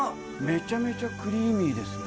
めちゃめちゃクリーミーですね